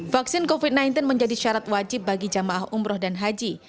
vaksin covid sembilan belas menjadi syarat wajib bagi jamaah umroh dan haji